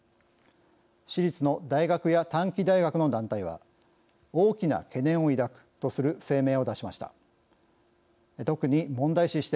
私立の大学や短期大学の団体は大きな懸念を抱くとする声明を出しました。